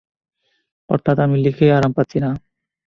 অর্থাৎ আমি লিখে আরাম পাচ্ছি না।